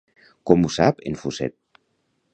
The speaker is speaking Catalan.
Com ho sap en Fuset?